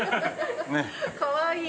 かわいい。